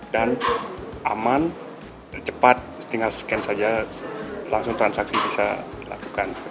dan aman cepat tinggal scan saja langsung transaksi bisa dilakukan